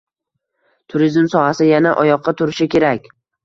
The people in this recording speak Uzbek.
Turizm sohasi yana oyoqqa turishi kerak